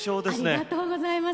ありがとうございます。